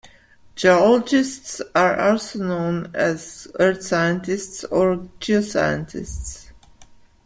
Geologists are also known as earth scientists or geoscientists.